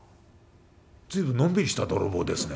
「随分のんびりした泥棒ですね」。